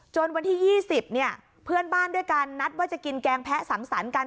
วันที่๒๐เนี่ยเพื่อนบ้านด้วยการนัดว่าจะกินแกงแพะสังสรรค์กัน